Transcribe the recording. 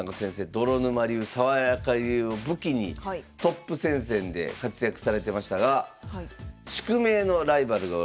泥沼流爽やか流を武器にトップ戦線で活躍されてましたが宿命のライバルがおられました。